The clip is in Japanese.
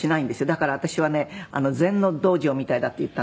だから私はね禅の道場みたいだって言ったんですけどね。